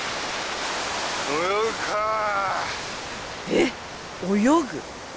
えっ泳ぐ？